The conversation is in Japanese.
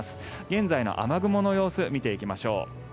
現在の雨雲の様子見ていきましょう。